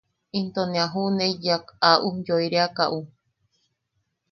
Into ne a juʼuneiyak a ujyoireakaʼu.